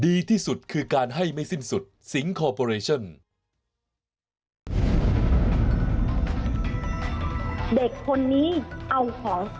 ดีที่สุดคือการให้ไม่สิ้นสุดสิงคอร์ปอเรชั่น